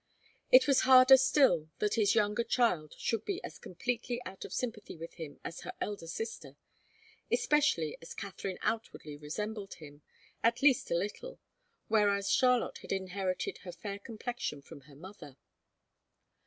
It was harder still that his younger child should be as completely out of sympathy with him as her elder sister, especially as Katharine outwardly resembled him, at least a little, whereas Charlotte had inherited her fair complexion from her mother.